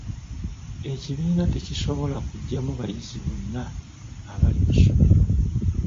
Ekibiina tekisobola kugyamu bayizi bonna abali mu ssomero.